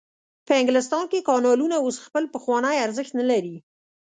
په انګلستان کې کانالونو اوس خپل پخوانی ارزښت نلري.